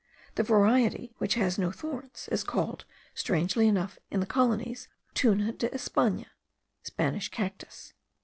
The variety which has no thorns is called, strangely enough, in the colonies, tuna de Espana (Spanish cactus).